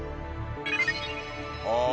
ああ！